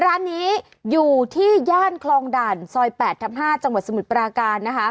ร้านนี้อยู่ที่ย่านคลองด่านซอย๘ทับ๕จังหวัดสมุทรปราการนะคะ